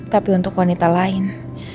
tapi untuk wanita lain